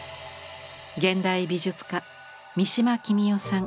現代美術家三島喜美代さん